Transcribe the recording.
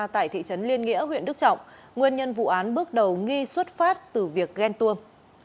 tại thị trấn liên nghĩa huyện đức trọng nguyên nhân vụ án bước đầu nghi xuất phát từ việc ghen tuông